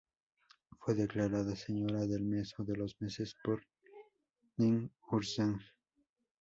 Fue declarada ""Señora del mes o de los meses"" por Ninhursag.